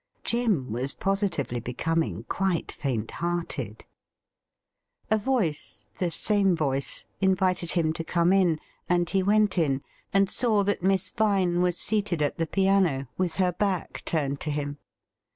Jim was positively becoming quite faint hearted. A voice — the same voice — invited him to come in, and he went in, and saw that Miss Vine was seated at the piano, with her back turned to him.